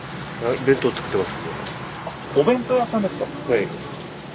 はい。